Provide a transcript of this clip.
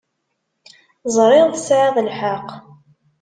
Ẓriɣ tesεiḍ lḥeqq.